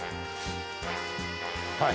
はい。